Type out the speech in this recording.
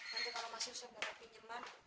nanti kalau masih usia dapat pinjaman